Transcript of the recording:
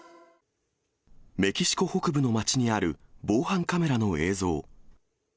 メキシコ北部の街にある防犯カメラの映像。